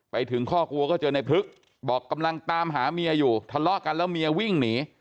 ไปถึงข้อกลัวก็เจอในพลึกบอกกำลังตามหาเมียอยู่ทะเลาะกันแล้วเมียวิ่งหนี